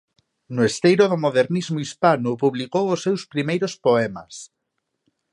No esteiro do modernismo hispano publicou os seus primeiros poemas.